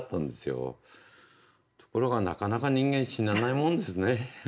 ところがなかなか人間死なないもんですね。